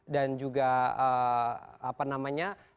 dan juga apa namanya